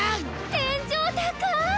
天井高い！